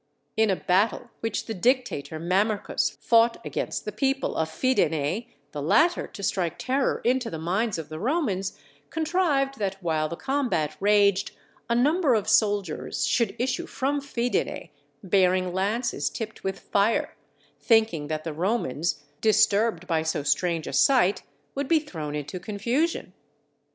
In a battle which the Dictator Mamercus fought against the people of Fidenae, the latter, to strike terror into the minds of the Romans, contrived that while the combat raged a number of soldiers should issue from Fidenae bearing lances tipped with fire, thinking that the Romans, disturbed by so strange a sight, would be thrown into confusion.